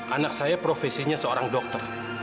anak saya profesinya seorang dokter